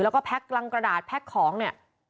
แล้วก็แก๊กรังกระดาษแพ็คของเนี่ย